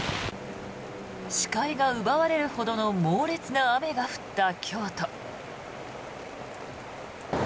視界が奪われるほどの猛烈な雨が降った京都。